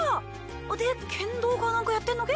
で剣道かなんかやってんのけ？